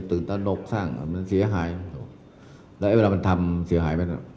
ตื่นตาโรคสร้างมันเสียหายแต่เวลามันทำเสียหายไปแล้ว